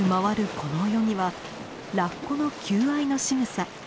この泳ぎはラッコの求愛のしぐさ。